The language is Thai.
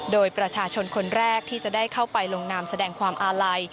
โดยประชาชนคนแรกที่จะได้เข้าไปลงนามแสดงความอาลัย